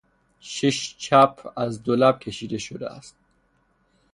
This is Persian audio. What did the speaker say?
شش چپ از دو لب تشکیل شده است.